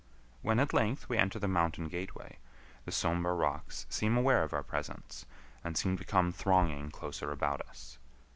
When at length we enter the mountain gateway, the somber rocks seem aware of our presence, and seem to come thronging closer about us.